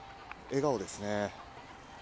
笑顔ですね。